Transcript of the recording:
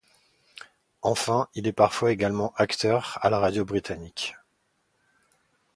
Enfin, il est parfois également acteur à la radio britannique.